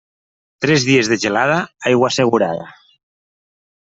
Tres dies de gelada, aigua assegurada.